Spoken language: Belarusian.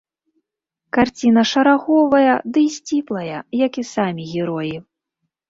Карціна шараговая дый сціплая, як і самі героі.